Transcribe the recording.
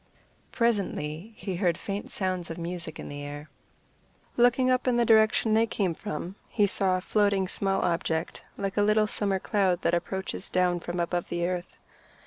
Presently he heard faint sounds of music in the air. Looking up in the direction they came from, he saw floating a small object, like a little summer cloud that approaches down from above the earth.